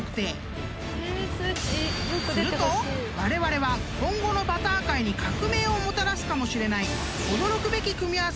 ［するとわれわれは今後のバター界に革命をもたらすかもしれない］